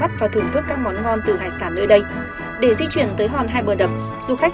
và thưởng thức các món ngon từ hải sản nơi đây để di chuyển tới hòn hai bờ đập du khách